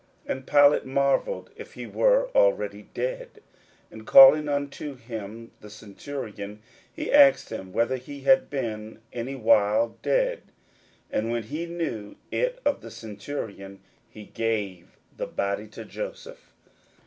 41:015:044 And Pilate marvelled if he were already dead: and calling unto him the centurion, he asked him whether he had been any while dead. 41:015:045 And when he knew it of the centurion, he gave the body to Joseph.